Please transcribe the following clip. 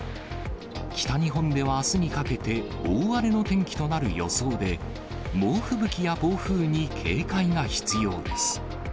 北日本ではあすにかけて、大荒れの天気となる予想で、猛吹雪や暴風に警戒が必要です。